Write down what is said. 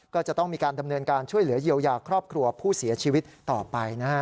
ก็จะต้องมีการดำเนินการช่วยเหลือเยียวยาครอบครัวผู้เสียชีวิตต่อไปนะฮะ